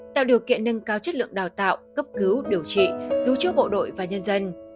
tạo điều kiện nâng cao chất lượng đào tạo cấp cứu điều trị cứu chữa bộ đội và nhân dân